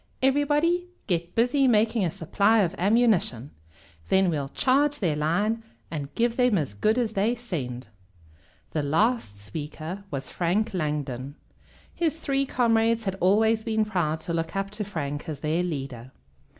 Everybody get busy making a supply of ammunition. Then we'll charge their line, and give them as good as they send!" The last speaker was Frank Langdon. His three comrades had always been proud to look up to Frank as their leader.